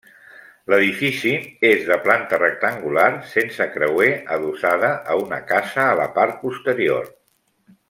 L'edifici és de planta rectangular, sense creuer, adossada a una casa a la part posterior.